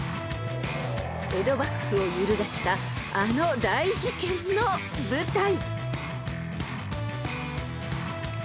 ［江戸幕府を揺るがしたあの大事件の舞台］